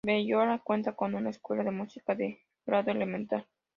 Berriozar cuenta con una Escuela de Música de grado elemental.